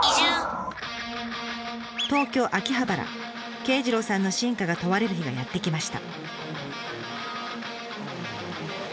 圭次郎さんの真価が問われる日がやって来ました。